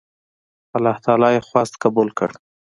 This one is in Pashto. الله تعالی یې خواست قبول کړ.